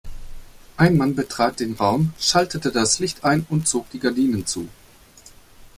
Ein Mann betrat den Raum, schaltete das Licht ein und zog die Gardinen zu.